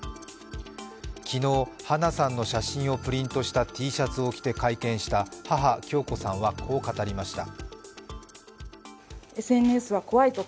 昨日、花さんの写真をプリントしたＴシャツを着て会見した母・響子さんは、こう語りました。